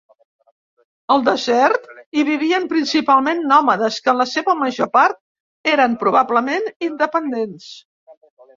Al desert hi vivien principalment nòmades, que en la seva major part eren probablement independents.